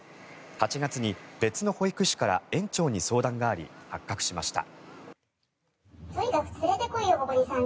８月に別の保育士から園長に相談があり、発覚しました。